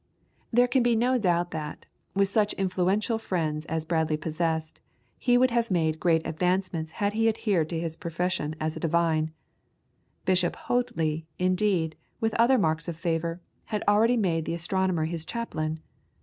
There can be no doubt that, with such influential friends as Bradley possessed, he would have made great advances had he adhered to his profession as a divine. Bishop Hoadly, indeed, with other marks of favour, had already made the astronomer his chaplain.